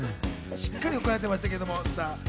しっかりと怒られていました。